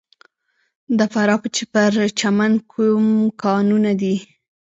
د فراه په پرچمن کې کوم کانونه دي؟